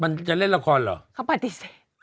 มันจะเล่นละครเหรอ